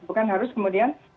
bukan harus kemudian